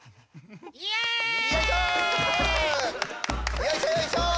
よいしょよいしょ！